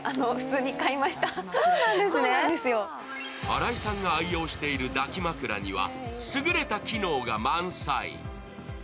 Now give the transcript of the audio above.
新井さんが愛用している抱き枕には優れた機能が満載。